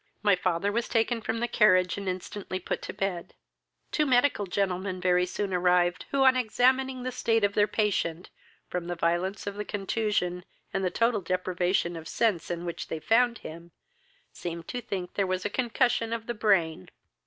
"My father was taken from the carriage, and instantly put to bed. Two medical gentlemen very soon arrived, who, on examining the state of their patient, from the violence of the contusion and the total deprivation of sense in which they found him, seemed to think there was a concussion of the brain.